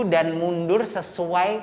dan mundur sesuai